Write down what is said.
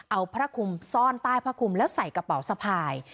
เอาพระคุมซ่อนซ่อนใต้พระคุมและใส่กระเป๋าสะพาย